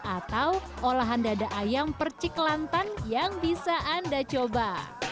atau olahan dada ayam percik lantan yang bisa anda coba